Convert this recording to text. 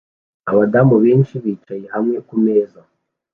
Abadamu benshi bicaye hamwe kumeza